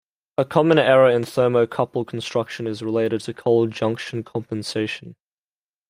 A common error in thermocouple construction is related to cold junction compensation.